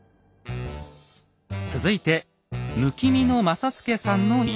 続いてむきみの政助さんの家。